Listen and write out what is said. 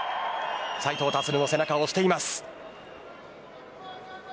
斉藤立の背中を押しています。